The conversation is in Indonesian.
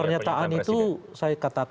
pernyataan itu saya katakan